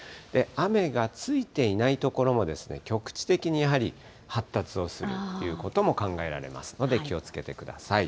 雨がついていない所も、局地的にやはり発達をするということも考えられますので、気をつけてください。